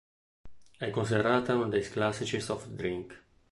È considerata uno dei classici "soft drink".